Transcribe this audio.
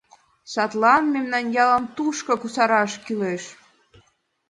Садлан мемнан ялым тушко кусараш кӱлеш.